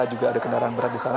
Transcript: juga ada kendaraan berat di sana